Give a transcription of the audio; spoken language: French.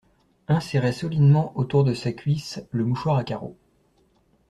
Un serrait solidement, autour de sa cuisse, le mouchoir à carreaux.